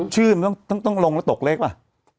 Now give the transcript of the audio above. ชื่นต้องลงแล้วตกเล็กป่ะ